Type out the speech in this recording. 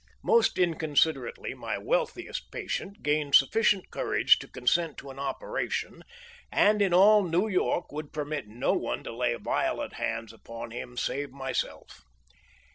Most inconsiderately my wealthiest patient gained sufficient courage to consent to an operation, and in all New York would permit no one to lay violent hands upon him save myself.